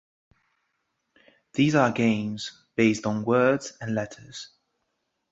These are games based on words and letters.